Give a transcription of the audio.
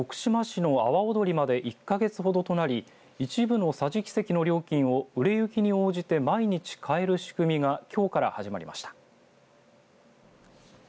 徳島市の阿波おどりまで１か月ほどとなり一部の桟敷席の料金を売れ行きに応じて毎日変える仕組みがきょうから始まりました。